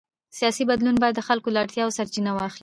سیاسي بدلون باید د خلکو له اړتیاوو سرچینه واخلي